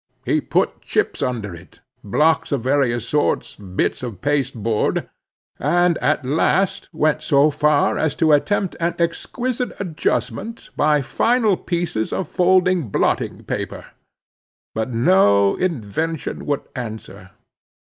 He put chips under it, blocks of various sorts, bits of pasteboard, and at last went so far as to attempt an exquisite adjustment by final pieces of folded blotting paper. But no invention would answer.